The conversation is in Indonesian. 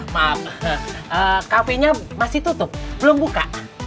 maaf kafe nya masih tutup belum buka